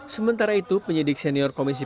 sementara itu penyidik senior komisi